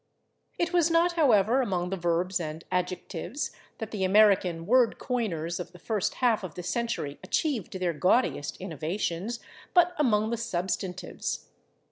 It was not, however, among the verbs and adjectives that the American word coiners of the first half of the century achieved their gaudiest innovations, but among the substantives.